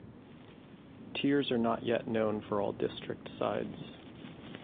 Tiers are not yet known for all district sides.